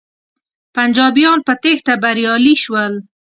پنجابیان په تیښته بریالی شول.